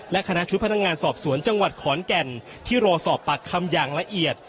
และคณะชุดพนักงานสอบสวนจังหวัดขอนแก่นที่รอสอบปากคำอย่างละเอียด